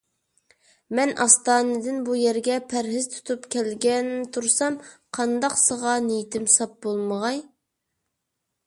مەن ئاستانىدىن بۇ يەرگە پەرھىز تۇتۇپ كەلگەن تۇرسام، قانداقسىغا نىيىتىم ساپ بولمىغاي؟